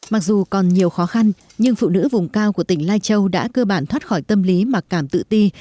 mặc dù còn nhiều khó khăn nhưng phụ nữ vùng cao của tỉnh lai châu đã cơ bản thoát khỏi tâm lý mặc cảm tự ti